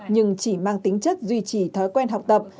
nhưng chỉ mang tính chất duy trì thói quen học tập